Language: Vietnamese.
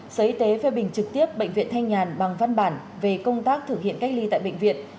sở y tế phê bình trực tiếp bệnh viện thanh nhàn bằng văn bản về công tác thực hiện cách ly tại bệnh viện